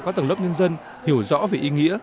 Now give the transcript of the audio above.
các tầng lớp nhân dân hiểu rõ về ý nghĩa